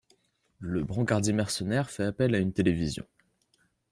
Le brancardier mercenaire fait appel à une télévision.